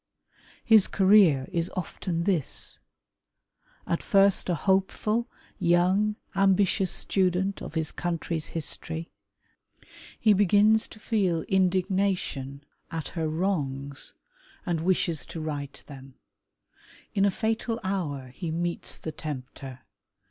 His career is often this : At first a hopeful, young, ambitious student of his country's history, he begins to feel indignation at THE SAD ENDING OF CONSriRATORS. 149 her wrongs, and wishes to right them. In a fatal hour he meets the tempter.